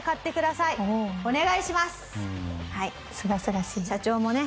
すがすがしい。社長もね